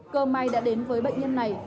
cơ may đã đến với bệnh nhân này